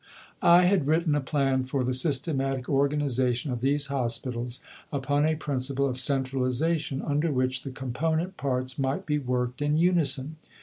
I had written a plan for the systematic organization of these Hospitals upon a principle of centralization, under which the component parts might be worked in unison.